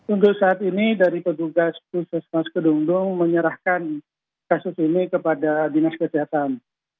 untuk saat ini dari petugas puskesmas kedungdung menyerahkan kasus ini kepada dinas kesehatan